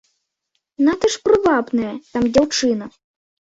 Надта ж прывабная там дзяўчына.